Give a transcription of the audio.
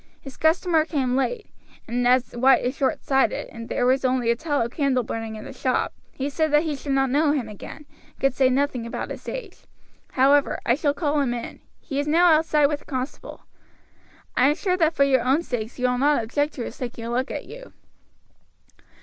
His customer came late, and as White is short sighted, and there was only a tallow candle burning in the shop, he said that he should not know him again, and could say nothing about his age; however, I shall call him in; he is now outside with the constable. I am sure that for your own sakes you will not object to his taking a look at you."